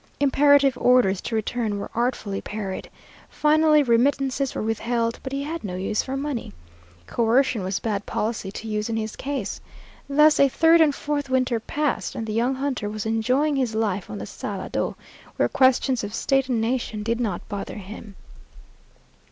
Imperative orders to return were artfully parried. Finally remittances were withheld, but he had no use for money. Coercion was bad policy to use in his case. Thus a third and a fourth winter passed, and the young hunter was enjoying life on the Salado, where questions of state and nation did not bother him.